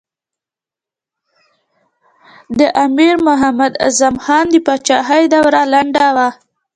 د امیر محمد اعظم خان د پاچهۍ دوره لنډه وه.